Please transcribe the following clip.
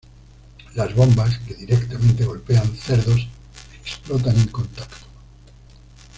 Las bombas que directamente golpean cerdos explotan en contacto.